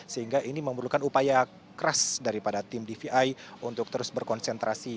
sehingga ini memerlukan upaya keras daripada tim dvi untuk terus berkonsentrasi